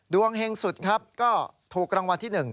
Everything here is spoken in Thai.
เฮงสุดครับก็ถูกรางวัลที่๑